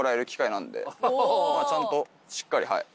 ちゃんとしっかりはい。